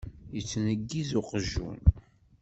Yettneggiz uqjun.